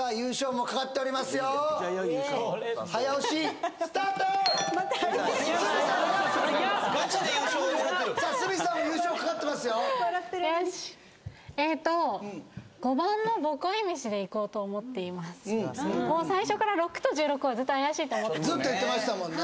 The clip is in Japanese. もう最初から６と１６は絶対怪しいと思ってたのでずっと言ってましたもんね